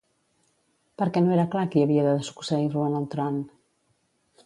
Per què no era clar qui havia de succeir-lo en el tron?